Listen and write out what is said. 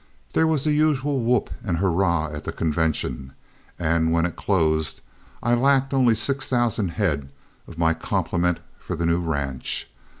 There was the usual whoop and hurrah at the convention, and when it closed I lacked only six thousand head of my complement for the new ranch.